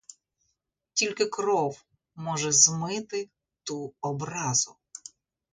Тільки кров може змити ту образу.